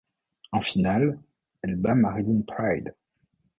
En finale, elle bat Marilyn Pryde.